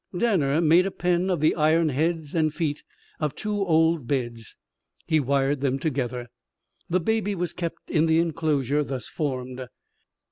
Danner made a pen of the iron heads and feet of two old beds. He wired them together. The baby was kept in the inclosure thus formed.